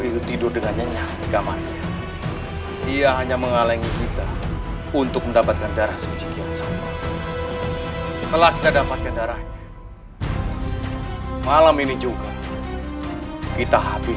itu tidur dengan nyanyi kamarnya ia hanya mengalangi kita untuk mendapatkan darah suci kiasan setelah kita dapatkan darah suci kian santai